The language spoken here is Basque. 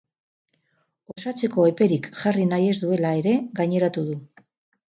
Osatzeko eperik jarri nahi ez duela ere gaineratu du.